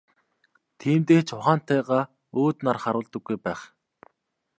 Тиймдээ ч ухаантайгаа өөд нар харуулдаггүй байх.